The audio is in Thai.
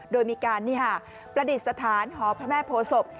โดยมีการประดิษฐานหอพระแม่โพศพ